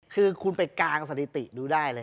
คือคุณไปกางสถิติดูได้เลย